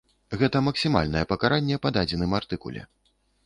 Гэта максімальнае пакаранне па дадзеным артыкуле.